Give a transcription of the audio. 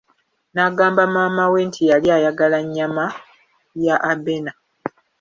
N'agamba maama we nti yali ayagala nnyama ya Abena.